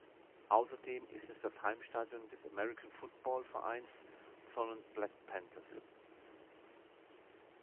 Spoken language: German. Außerdem ist es das Heimstadion des American Football Vereins Thonon Black Panthers.